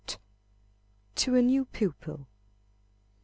_To a New Pupil.